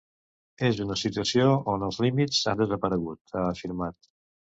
És una situació on els límits han desaparegut, ha afirmat.